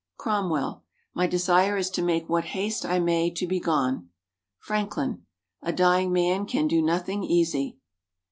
Cromwell. "My desire is to make what haste I may to be gone." Franklin. "A dying man can do nothing easy."